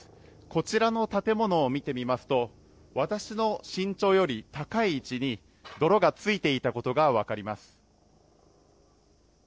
こちらの建物を見てみますと私の身長より高い位置に泥がついていたことが分かります。